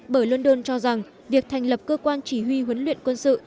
bởi london cho rằng việc thành lập cơ quan chỉ huy huấn luyện quân sự